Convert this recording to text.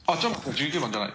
１９番じゃない。